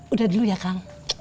udah dulu ya kang